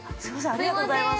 ありがとうございます。